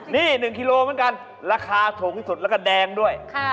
นี่๑กิโลเหมือนกันราคาถูกที่สุดแล้วก็แดงด้วย